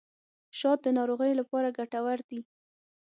شات د ناروغیو لپاره ګټور دي.